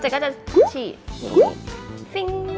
เจนก็จะฉี่